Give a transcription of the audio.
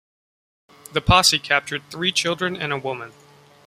The posse captured three children and a woman.